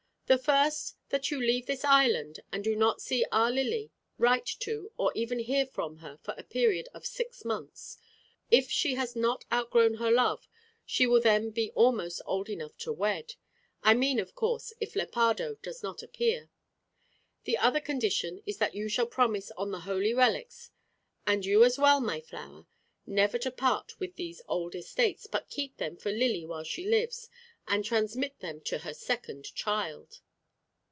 The first, that you leave this island, and do not see our Lily, write to, or even hear from her, for a period of six months. If she has not outgrown her love, she will then be almost old enough to wed. I mean, of course, if Lepardo does not appear. The other condition is that you shall promise on the holy relics, and you as well, my flower, never to part with these old estates, but keep them for Lily while she lives, and transmit them to her second child."